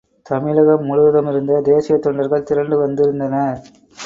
தமிழகம் முழுவதுமிருந்த தேசீயத் தொண்டர்கள் திரண்டு வந்திருந்தனர்.